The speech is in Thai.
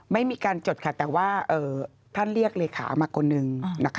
ไม่มีการจดค่ะแต่ว่าท่านเรียกเลขามาคนหนึ่ง